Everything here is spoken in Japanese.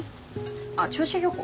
あっ銚子漁港？